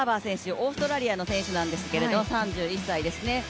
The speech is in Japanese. オーストラリアの選手なんですけど、３１歳ですね。